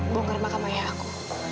bongkar makam ayah aku